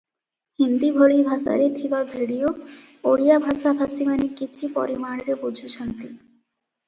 ହିନ୍ଦୀ ଭଳି ଭାଷାରେ ଥିବା ଭିଡିଓ ଓଡ଼ିଆ ଭାଷାଭାଷୀମାନେ କିଛି ପରିମାଣରେ ବୁଝୁଛନ୍ତି ।